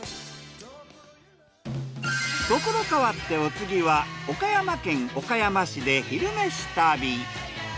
ところ変わってお次は岡山県岡山市で「昼めし旅」。